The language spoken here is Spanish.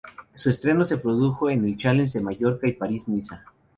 Su estreno se produjo en la Challenge de Mallorca y París-Niza.